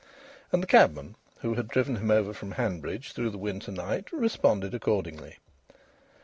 And the cabman, who had driven him over from Hanbridge through the winter night, responded accordingly.